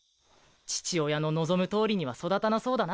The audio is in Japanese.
父親の望む通りには育たなそうだな